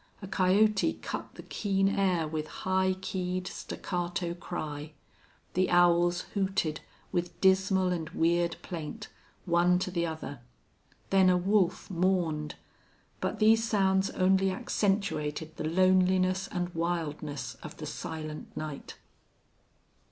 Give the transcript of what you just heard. A coyote cut the keen air with high keyed, staccato cry. The owls hooted, with dismal and weird plaint, one to the other. Then a wolf mourned. But these sounds only accentuated the loneliness and wildness of the silent night.